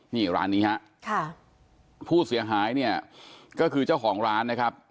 นี่ร้านนี้ฮะค่ะผู้เสียหายเนี่ยก็คือเจ้าของร้านนะครับ